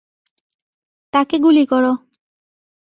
তাকে গুলি কর!